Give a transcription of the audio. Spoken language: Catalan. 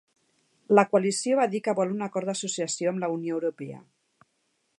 La coalició va dir que vol un acord d'associació amb la Unió Europea.